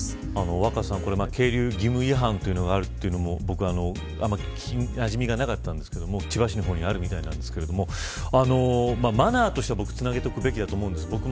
若狭さん、係留義務違反というのがあるというのも僕、あまり聞きなじみがなかったんですが千葉市の方にあるみたいなんですがマナーとしてはつなげておくべきだと思うんです。